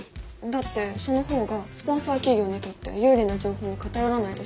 だってその方がスポンサー企業にとって有利な情報に偏らないでしょ。